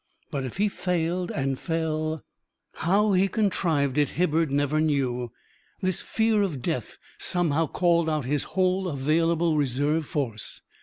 But if he failed and fell ...! How he contrived it Hibbert never knew; this fear of death somehow called out his whole available reserve force.